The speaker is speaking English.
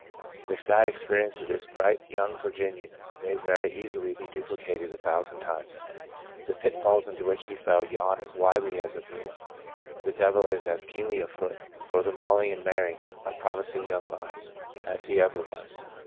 The sad experience of this bright young Vir ginian may very easily be duplicated a thou sand times. The pitfalls into which he fell yawn as widely as of yore. The devil is as keenly afoot, for the mauling and marring of promising young lives, as he ever was.